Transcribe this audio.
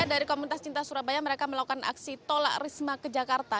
dari komunitas cinta surabaya mereka melakukan aksi tolak risma ke jakarta